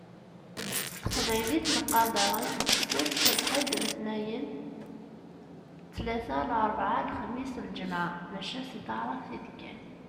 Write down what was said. S teqbaylit neqqaṛ daɣen: Sebt, lḥed, letniyen, ttlata, larbɛa, lexmis, lǧemɛa. Maca si taɛrabt i d-kkan.